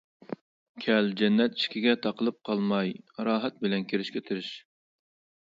كەل جەننەت ئىشىكىگە تاقىلىپ قالماي راھەت بىلەن كىرىشكە تىرىش.